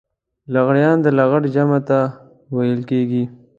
لغړيان د لغړ جمع ته ويل کېږي.